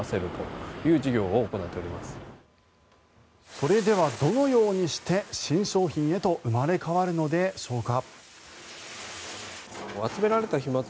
それでは、どのようにして新商品へと生まれ変わるのでしょうか。